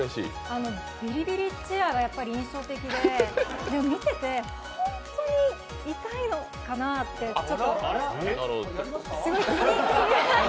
ビリビリチェアが印象的で見てて、本当に痛いのかなってちょっとすごい気になって。